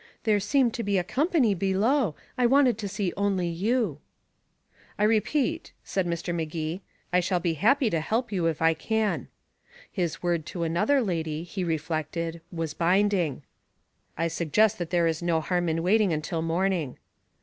There seemed to be a company below I wanted to see only you." "I repeat," said Mr. Magee, "I shall be happy to help you, if I can." His word to another lady, he reflected, was binding. "I suggest that there is no harm in waiting until morning."